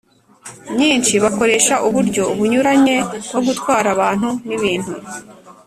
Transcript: Myinshi bakoresha uburyo bunyuranye bwo gutwara abantu n ibintu